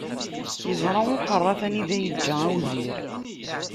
Iẓra uḥeṛṛat anida yiǧǧa awzir.